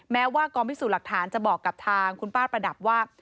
แม้ว่ากองพิสูจน์หลักฐานจะบอกกับทางคุณป้าประดับว่า